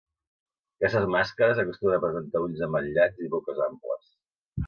Aquestes màscares acostumen a presentar ulls ametllats i boques amples.